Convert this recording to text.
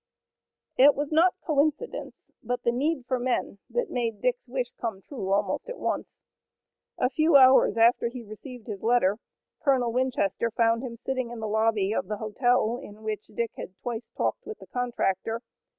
It was not coincidence, but the need for men that made Dick's wish come true almost at once. A few hours after he received his letter Colonel Winchester found him sitting in the lobby of the hotel in which Dick had twice talked with the contractor.